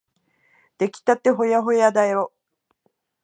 できたてほやほやだよ。